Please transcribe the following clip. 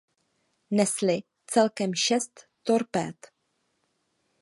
Nesly celkem šest torpéd.